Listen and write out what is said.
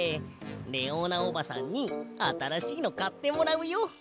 レオーナおばさんにあたらしいのかってもらうよ。